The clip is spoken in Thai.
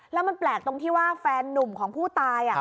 แล้วมันแปลกจากเวลาแฟนหนุ่มของผู้ตาย